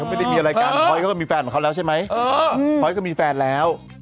โพย่ก็มีแฟนแล้ว